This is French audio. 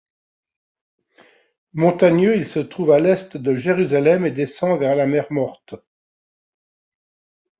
Montagneux, il se trouve à l'est de Jérusalem et descend vers la mer Morte.